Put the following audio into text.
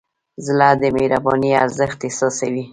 زړه د مهربانۍ ارزښت احساسوي.